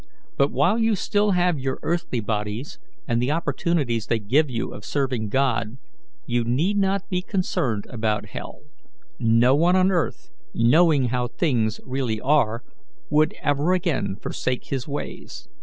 "But while you have still your earthly bodies and the opportunities they give you of serving God, you need not be concerned about hell; no one on earth, knowing how things really are, would ever again forsake His ways.